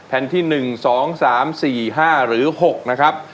ที่๑๒๓๔๕หรือ๖นะครับ